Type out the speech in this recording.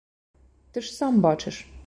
Ты ж сам бачыш.